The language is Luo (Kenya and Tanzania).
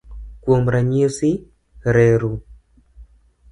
Kuom ranyisi, reru.